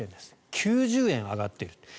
９０円上がっている。